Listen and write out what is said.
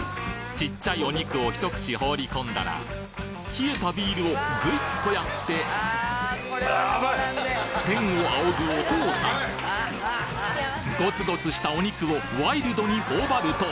ちっちゃいお肉をひと口放り込んだら冷えたビールをグイッとやって天を仰ぐお父さんゴツゴツしたお肉をワイルドに頬張ると